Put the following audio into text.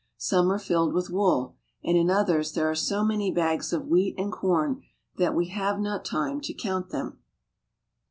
Some are filled with wool, and in others there are so many bags of wheat and corn that we have not time to count them.